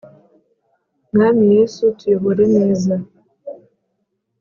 mwami yesu, tuyobore neza ,